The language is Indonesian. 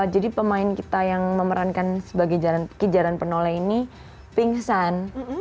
jadi pemain kita yang memerankan sebagai kejalan penoleh ini pingsan